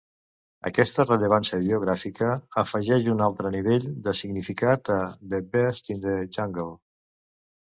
Aquesta rellevància biogràfica afegeix un altre nivell de significat a 'The Beast in the Jungle'.